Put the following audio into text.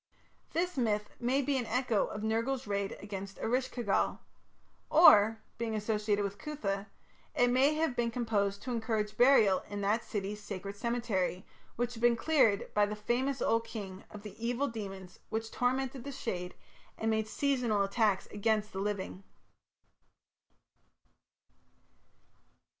This myth may be an echo of Nergal's raid against Eresh ki gal. Or, being associated with Cuthah, it may have been composed to encourage burial in that city's sacred cemetery, which had been cleared by the famous old king of the evil demons which tormented the dead and made seasonal attacks against the living.